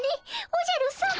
おじゃるさま。